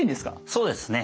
そうですね。